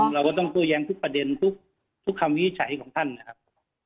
เราก็ต้องโต้แย้งทุกประเด็นทุกคำวินิจฉัยของท่านนะครับ